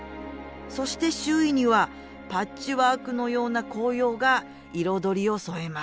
そして周囲にはパッチワークのような紅葉が彩りを添えます。